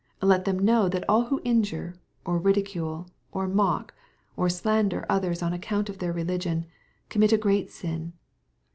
Let them know that all who injure, or ridicule, or mock, or slander others on account of their religion, commit a great sin.